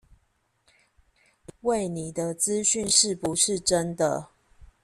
餵你的資訊是不是真的